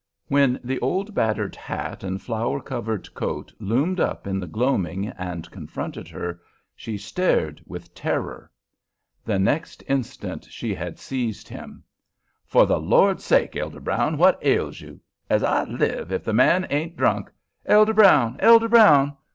When the old battered hat and flour covered coat loomed up in the gloaming and confronted her, she stared with terror. The next instant she had seized him. "For the Lord sakes, Elder Brown, what ails you? As I live, if the man ain't drunk! Elder Brown! Elder Brown!